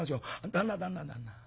旦那旦那旦那。